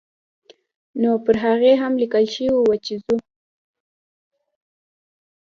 نو پر هغې هم لیکل شوي وو چې ځو.